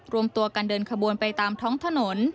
รวมตัวกันเดินขบวนไปตามท้องถนน